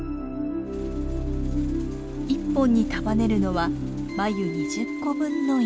１本に束ねるのは繭２０個分の糸。